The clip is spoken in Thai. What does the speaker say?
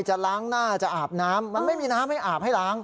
จะล้างหน้าจะอาบน้ำมันไม่มีน้ำให้อาบให้ล้าง